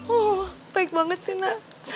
oh baik banget sih ma